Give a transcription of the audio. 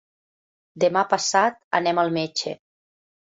Demà passat anem al metge.